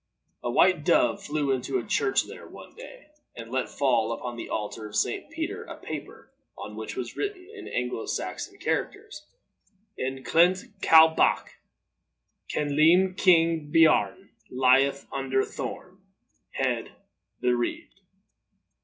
A white dove flew into a church there one day, and let fall upon the altar of St. Peter a paper, on which was written, in Anglo Saxon characters, In Clent Cow batch, Kenelme king bearne, lieth under Thorne, head bereaved.